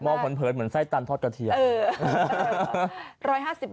เผินเหมือนไส้ตันทอดกระเทียม